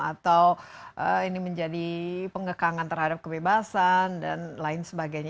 atau ini menjadi pengekangan terhadap kebebasan dan lain sebagainya